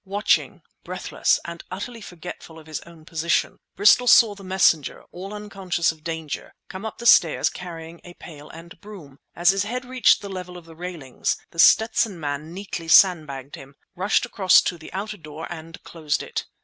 Watching, breathless, and utterly forgetful of his own position, Bristol saw the messenger, all unconscious of danger, come up the stairs carrying a pail and broom. As his head reached the level of the railings The Stetson Man neatly sand bagged him, rushed across to the outer door, and closed it!